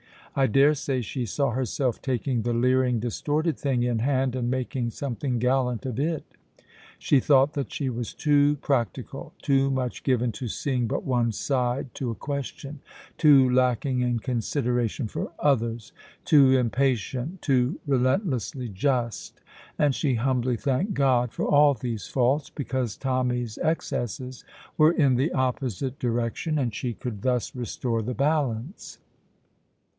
I daresay she saw herself taking the leering, distorted thing in hand and making something gallant of it. She thought that she was too practical, too much given to seeing but one side to a question, too lacking in consideration for others, too impatient, too relentlessly just, and she humbly thanked God for all these faults, because Tommy's excesses were in the opposite direction, and she could thus restore the balance.